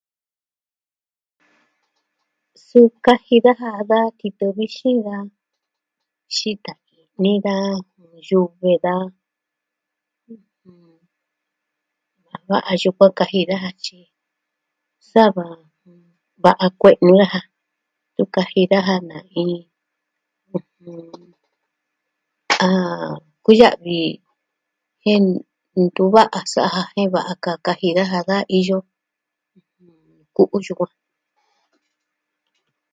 Suu kaji daja da titɨ vixin daa xita i'ni daa, yuve daa. Va'a yukuan kaji daja tyi, sava, jɨn, va'a kue'e ni ja tun kaji daja na'in ni, a... kuya'vi, jen ntu va'a sa'a ja jin da a ka kaji daja da iyo ku'u yukuan.